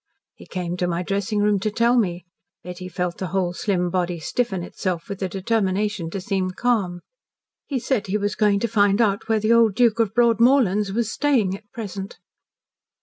"He came to my dressing room to tell me." Betty felt the whole slim body stiffen itself with a determination to seem calm. "He said he was going to find out where the old Duke of Broadmorlands was staying at present."